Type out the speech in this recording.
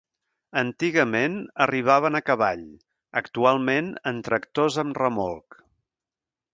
Antigament arribaven a cavall; actualment en tractors amb remolc.